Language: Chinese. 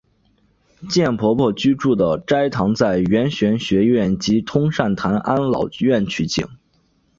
贱婆婆居住的斋堂在圆玄学院及通善坛安老院取景。